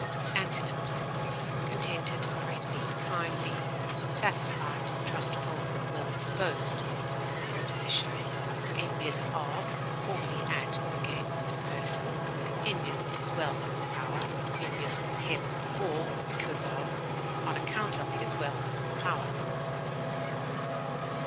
Antonyms: contented, friendly, kindly, satisfied, trustful, well disposed. Prepositions: Envious of (formerly at or against) a person; envious of his wealth or power; envious of him for, because of, on account of his wealth or power.